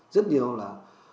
rất nhiều là